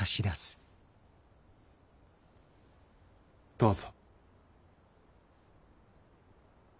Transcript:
どうぞ。